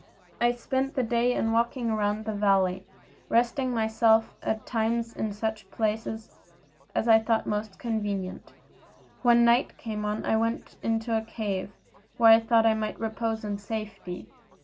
I spent the day in walking about in the valley, resting myself at times in such places as I thought most convenient. When night came on I went into a cave, where I thought I might repose in safety.